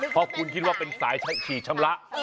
เพราะคุณคิดว่าเป็นสายฉีดชำระ